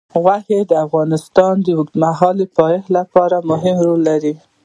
غوښې د افغانستان د اوږدمهاله پایښت لپاره مهم رول لري.